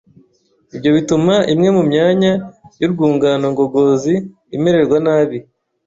Ibyo bituma imwe mu myanya y’urwungano ngogozi imererwa nabi.